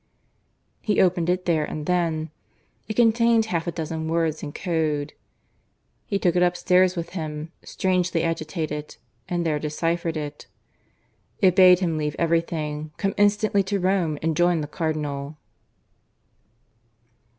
He opened it there and then. It contained half a dozen words in code. He took it upstairs with him, strangely agitated, and there deciphered it. It bade him leave everything, come instantly to Rome, and join the Cardinal.